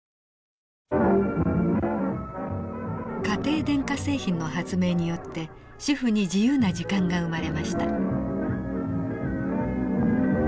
家庭電化製品の発明によって主婦に自由な時間が生まれました。